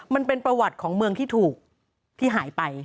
มันเป็นประวัติของเมืองที่ถูกที่หายไป